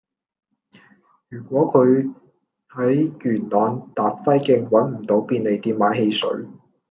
如果佢喺元朗達輝徑搵唔到便利店買汽水